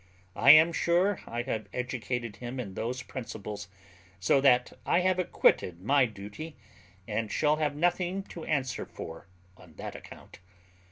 I am sure I have educated him in those principles; so that I have acquitted my duty, and shall have nothing to answer for on that account.